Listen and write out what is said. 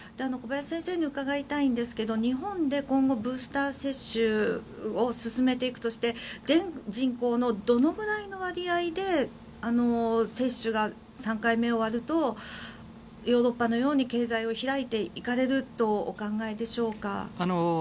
小林先生に伺いたいんですけど日本で今後ブースター接種を進めていくとして全人口のどのぐらいの割合で接種が３回目が終わるとヨーロッパのように経済を開いていかれるとお考えでしょうか。